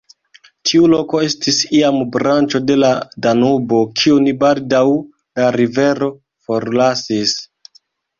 Tiu loko estis iam branĉo de la Danubo, kiun baldaŭ la rivero forlasis.